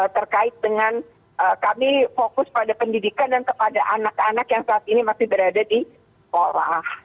terkait dengan kami fokus pada pendidikan dan kepada anak anak yang saat ini masih berada di sekolah